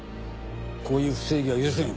こういう不正義は許せん。